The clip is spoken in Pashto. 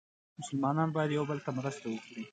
مسلمانان باید یو بل ته مرسته وکړي.